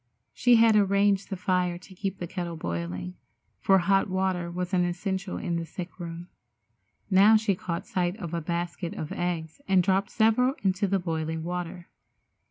She had arranged the fire to keep the kettle boiling, for hot water was an essential in the sick room. Now she caught sight of a basket of eggs and dropped several into the boiling water.